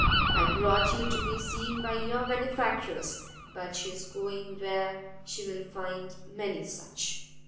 I brought you to be seen by your benefactress, but she is going where she will find many such."